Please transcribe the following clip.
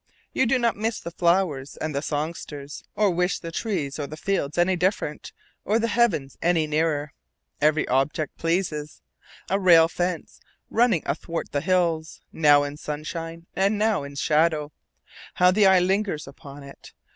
You do not miss the flowers and the songsters, or wish the trees or the fields any different, or the heavens any nearer. Every object pleases. A rail fence, running athwart the hills, now in sunshine and now in shadow, how the eye lingers upon it!